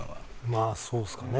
まあそうですかね。